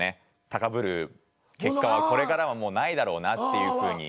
高ぶる結果はこれからはもうないだろうなっていうふうに。